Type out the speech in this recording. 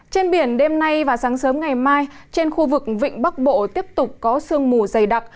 trên biển đêm nay và sáng sớm ngày mai trên khu vực vịnh bắc bộ tiếp tục có sương mù dày đặc